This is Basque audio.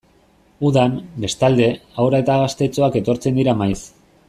Udan, bestalde, haur eta gaztetxoak etortzen dira maiz.